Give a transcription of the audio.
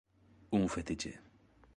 Un fetiche.